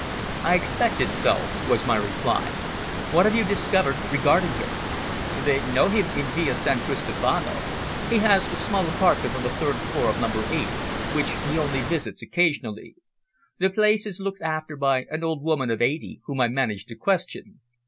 "I expected so," was my reply. "What have you discovered regarding him?" "They know him in Via San Cristofano. He has a small apartment on the third floor of number eight, which he only visits occasionally. The place is looked after by an old woman of eighty, whom I managed to question.